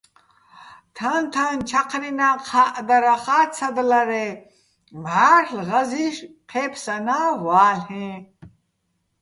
თაჼ-თაჼ ჩაჴრენა́ ჴა́ჸდარახა́ ცადლარე́ მჵარლ' ღაზი́შ ჴე́ფსანა́ ვალ'ეჼ.